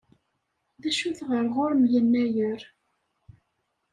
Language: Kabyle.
D acu-t ɣer ɣur-m Yennayer?